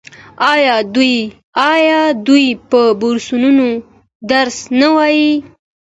آیا دوی په بورسونو درس نه وايي؟